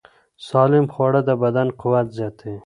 سالم خواړه د بدن قوت زیاتوي.